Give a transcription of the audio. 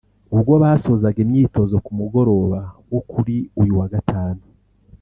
ubwo basozaga imyitozo ku mugoroba wo kuri uyu wa Gatanu